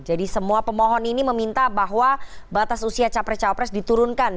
jadi semua pemohon ini meminta bahwa batas usia capres cawapres diturunkan